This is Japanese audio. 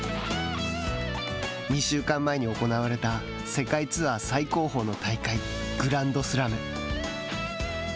２週間前に行われた世界ツアー最高峰の大会グランドスラム。